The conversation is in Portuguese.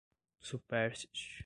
supérstite